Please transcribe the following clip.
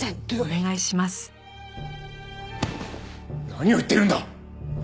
何を言ってるんだ！